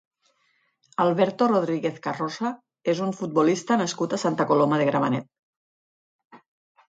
Alberto Rodríguez Carroza és un futbolista nascut a Santa Coloma de Gramenet.